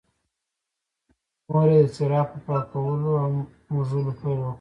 مور یې د څراغ په پاکولو او موږلو پیل وکړ.